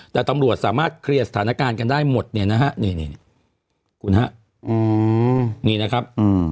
แต่ตำรวจสามารถเคลียร์สถานการณ์กันได้หมดเนี่ยนะฮะนี่คุณฮะนี่นะครับ